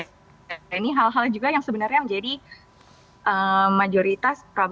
ini hal hal juga yang sebenarnya menjadi masalah